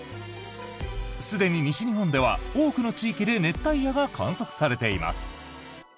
すでに西日本では多くの地域で熱帯夜が観測されています。